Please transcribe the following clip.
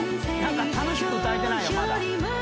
楽しく歌えてないまだ。